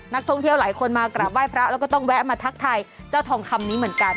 นักท่องเที่ยวหลายคนมากราบไหว้พระแล้วก็ต้องแวะมาทักทายเจ้าทองคำนี้เหมือนกัน